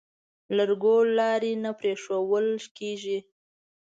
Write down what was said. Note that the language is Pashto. لرګو لارۍ نه پرېښوول کېږي.